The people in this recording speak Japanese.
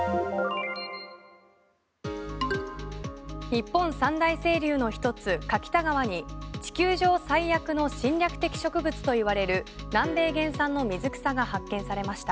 日本三大清流の一つ、柿田川に地球上最悪の侵略的植物といわれる南米原産の水草が発見されました。